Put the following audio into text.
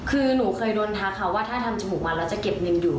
คือหนูเคยโดนทักค่ะว่าถ้าทำจมูกมาแล้วจะเก็บเงินอยู่